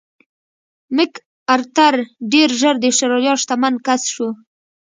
مک ارتر ډېر ژر د اسټرالیا شتمن کس شو.